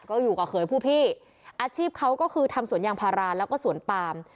ก็อยู่กับเขยผู้พี่อาชีพเขาก็คือทำสวนยางพาราแล้วก็สวนปาม